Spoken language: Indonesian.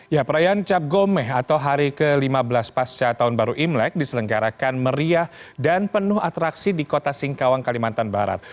ya perayaan cap gomeh atau hari ke lima belas pasca tahun baru imlek diselenggarakan meriah dan penuh atraksi di kota singkawang kalimantan barat